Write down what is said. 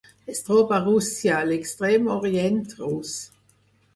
Es troba a Rússia: l'Extrem Orient Rus.